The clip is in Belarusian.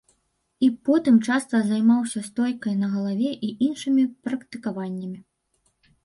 І потым часта займаўся стойкай на галаве і іншымі практыкаваннямі.